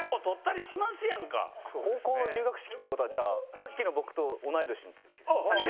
高校の入学式ってことはさっきの僕と同い年。